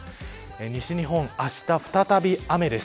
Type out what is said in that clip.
西日本、あした再び雨です。